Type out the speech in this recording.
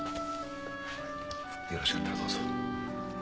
よろしかったらどうぞ。